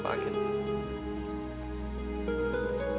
untuk hidup yang lebih baik